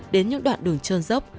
đến những đoạn đường trơn dốc